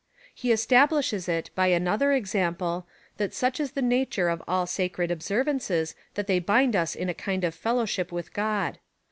He establishes it by another examjDle, that such is the nature of all sacred ob servances, that they bind us in a kind of fellowship with God.